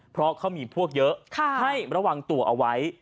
เพราะเขามีพวกเยอะให้ระวังตัวเอาไว้